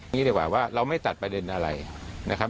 ดีกว่าว่าเราไม่ตัดประเด็นอะไรนะครับ